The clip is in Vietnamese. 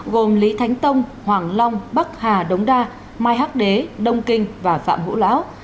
gồm lý thánh tông hoàng long bắc hà đống đa mai hắc đế đông kinh và phạm hữu lão